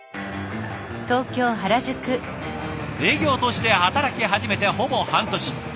営業として働き始めてほぼ半年。